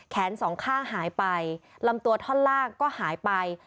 สองข้างหายไปลำตัวท่อนล่างก็หายไป